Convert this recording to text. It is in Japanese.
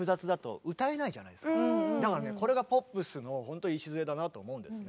これがポップスのほんと礎だなと思うんですね。